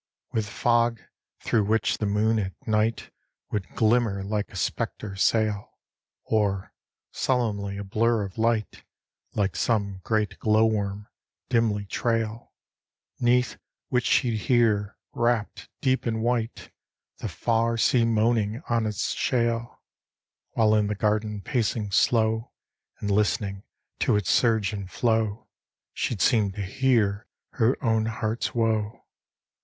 With fog, through which the moon at night Would glimmer like a spectre sail; Or, sullenly, a blur of light, Like some great glow worm, dimly trail; 'Neath which she'd hear, wrapped deep in white, The far sea moaning on its shale: While in the garden, pacing slow, And listening to its surge and flow, She'd seem to hear her own heart's woe.